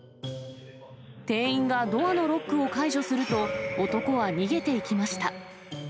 店員がドアのロックを解除すると、男は逃げていきました。